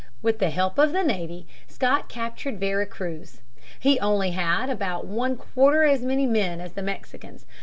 With the help of the navy Scott captured Vera Cruz. He had only about one quarter as many men as the Mexicans.